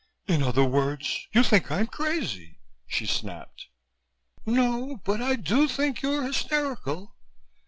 "In other words, you think I'm crazy!" she snapped. "No, but I do think you're hysterical.